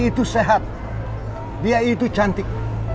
itu sehat dia itu cantik